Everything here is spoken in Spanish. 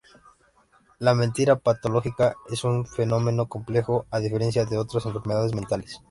La mentira patológica es un fenómeno complejo, a diferencia de otras enfermedades mentales.